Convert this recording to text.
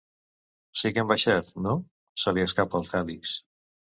Si que hem baixat, no? —se li escapa al Fèlix.